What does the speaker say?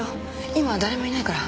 今誰もいないから。